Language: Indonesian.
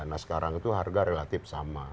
nah sekarang itu harga relatif sama